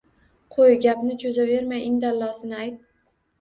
Qo`y, gapni cho`zavermay, indallosini ayt